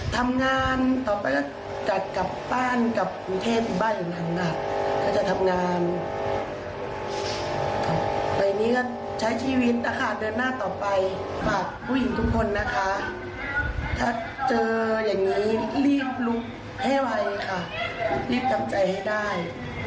ถ้าเจออย่างนี้รีบลุกให้ไวค่ะรีบกำจัยให้ได้